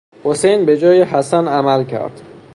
حسین به جای حسن عمل کرد.